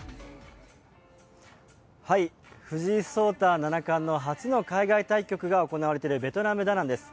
藤井聡太七冠の初の海外対局が行われているベトナム・ダナンです。